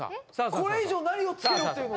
これ以上何をつけろっていうの？